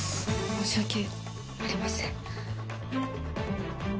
申し訳ありません。